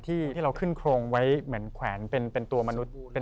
ที่เราขึ้นโครงไว้เหมือนแขวนเป็นตัวมนุษย์